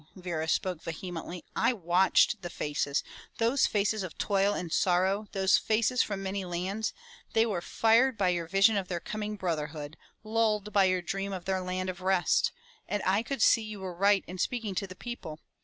Vera spoke vehemently. "I watched the faces, those faces of toil and sorrow, those faces from many lands. They were fired by your vision of their coming brotherhood, lulled by your dream of their land of rest. And I could see you were right in speaking to the people.